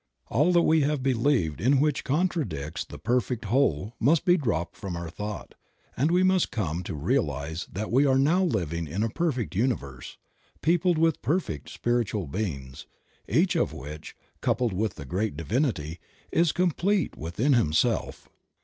All that we have believed in which contradicts the perfect whole must be dropped from our thought, and we must come to realize that we are now living in a perfect universe, peopled with perfect spiritual beings, each of which (coupled with the Great Divinity) is complete within himself.